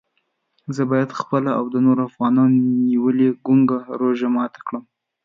زه باید خپله او د نورو افغانانو نیولې ګونګه روژه ماته کړم.